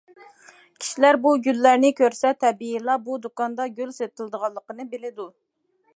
كىشىلەر بۇ گۈللەرنى كۆرسە تەبىئىيلا بۇ دۇكاندا گۈل سېتىلىدىغانلىقىنى بىلىدۇ.